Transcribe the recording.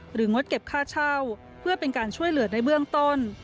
งดเก็บค่าเช่าเพื่อเป็นการช่วยเหลือในเบื้องต้น